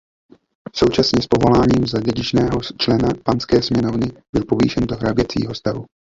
Současně s povoláním za dědičného člena Panské sněmovny byl povýšen do hraběcího stavu.